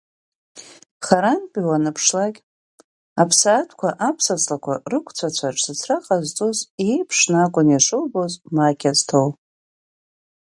Харантәи уаныԥшлакь, аԥсаатәқәа аԥсаҵлақәа рыцәқәақәарҿ зыҭра ҟазҵаз еиԥшны акәын ишубоз Мақьазҭоу.